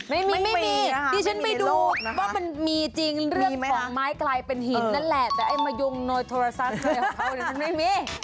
ไม่มีที่ฉันไปดูว่ามั้ยมีจริงเรื่องของไม้ไกรเป็นหินนั้นแหละแต่ไอ้มะยงโนโสรัสใดของเขาเดี๋ยวฉันไม่มี